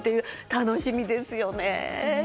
楽しみですよね。